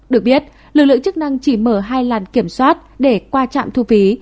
được biết lực lượng chức năng chỉ mở hai làn kiểm soát để qua trạm thu phí